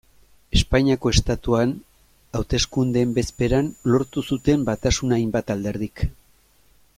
Espainiako Estatuan hauteskundeen bezperan lortu zuten batasuna hainbat alderdik.